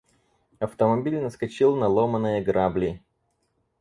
Автомобиль наскочил на ломанные грабли.